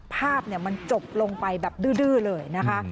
ภาพมันจบลงไปแบบดื้อเลยนะคะ